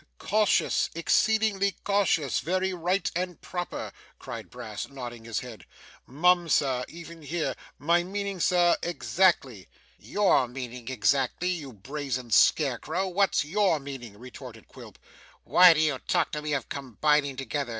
'Cautious, exceedingly cautious, very right and proper!' cried Brass, nodding his head. 'Mum, sir, even here my meaning, sir, exactly.' 'YOUR meaning exactly, you brazen scarecrow, what's your meaning?' retorted Quilp. 'Why do you talk to me of combining together?